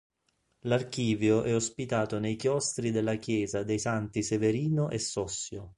L'Archivio è ospitato nei chiostri della chiesa dei Santi Severino e Sossio.